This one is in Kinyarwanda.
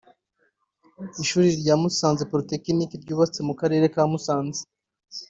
Inshuri rya Musanze Polytechnic ryubatse mu Karere ka Musanze